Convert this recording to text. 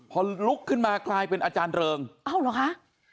พอลุกขึ้นมากลายเป็นอาจารย์เริงอ้าวเหรอคะ